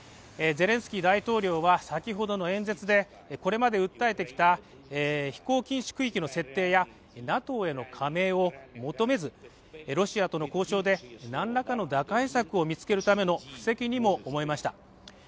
ゼレンスキー大統領は先ほどの演説でこれまで訴えてきた飛行禁止区域の設定や、ＮＡＴＯへの加盟を求めずロシアとの交渉で何らかの打開策を見つけるための布石にも思えました。